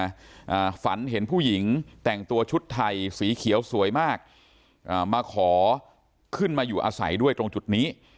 อ่าฝันเห็นผู้หญิงแต่งตัวชุดไทยสีเขียวสวยมากอ่ามาขอขึ้นมาอยู่อาศัยด้วยตรงจุดนี้